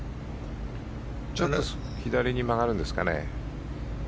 ちょっと左に曲がるんですかね。